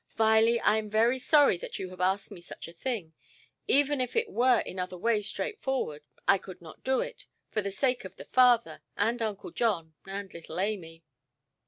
"Viley, I am very sorry that you have asked me such a thing. Even if it were in other ways straightforward, I could not do it, for the sake of the father, and Uncle John, and little Amy".